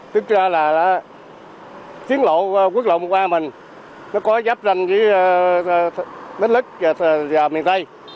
tức ra là chiến lộ quốc lộ mùa qua mình nó có giáp danh với mít lứt và miền tây